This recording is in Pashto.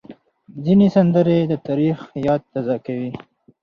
ځینې سندرې د تاریخ یاد تازه کوي.